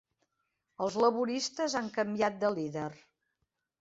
Els laboristes han canviat de líder